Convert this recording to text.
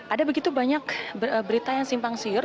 ada begitu banyak berita yang simpang siur